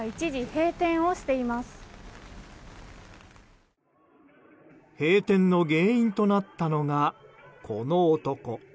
閉店の原因となったのがこの男。